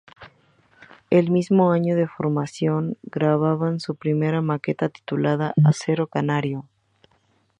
El mismo año de formación graban su primera maqueta, titulada "Acero Canario".